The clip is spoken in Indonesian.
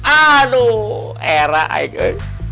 aduh era aiko